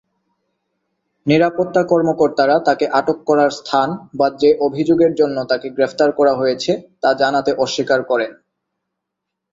নিরাপত্তা কর্মকর্তারা তাকে আটক করার স্থান বা যে অভিযোগের জন্য তাকে গ্রেফতার করা হয়েছে, তা জানাতে অস্বীকার করেন।